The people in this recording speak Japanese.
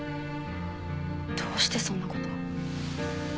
どうしてそんな事。